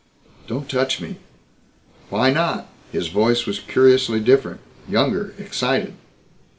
"Don't touch me!" "Why not?" His voice was curiously different. Younger, excited.